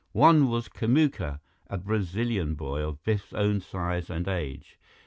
One was Kamuka, a Brazilian boy of Biff's own size and age.